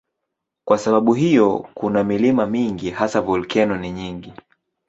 Kwa sababu hiyo kuna milima mingi, hasa volkeno ni nyingi.